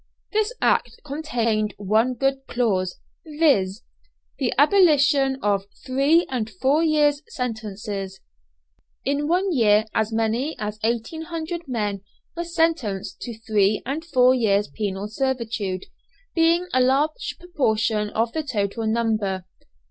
This Act contained one good clause, viz., the abolition of three and four years' sentences. In one year as many as 1800 men were sentenced to three and four years' penal servitude, being a large proportion of the total number.